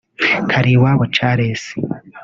Kaliwabo Charles